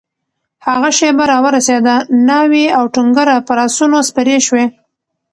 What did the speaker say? هغه شېبه راورسېده؛ ناوې او ټونګره پر آسونو سپرې شوې